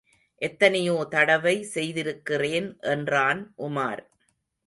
எத்தனையோ தடவை செய்திருக்கிறேன் என்றான் உமார்.